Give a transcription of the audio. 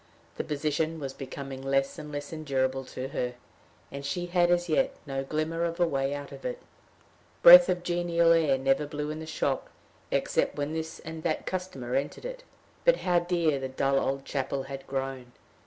The position was becoming less and less endurable to her, and she had as yet no glimmer of a way out of it. Breath of genial air never blew in the shop, except when this and that customer entered it. But how dear the dull old chapel had grown!